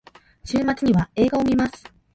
週末には映画を観ます。